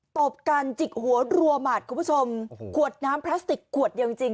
ตบกันจิกหัวรัวหมัดคุณผู้ชมขวดน้ำพลาสติกขวดเดียวจริงจริง